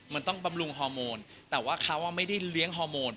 มันต้องบำรุงฮอร์โมนแต่ว่าเขาไม่ได้เลี้ยงฮอร์โมน